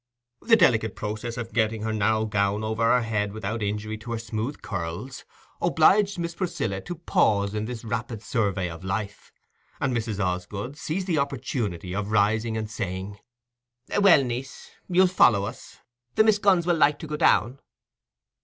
The delicate process of getting her narrow gown over her head without injury to her smooth curls, obliged Miss Priscilla to pause in this rapid survey of life, and Mrs. Osgood seized the opportunity of rising and saying— "Well, niece, you'll follow us. The Miss Gunns will like to go down."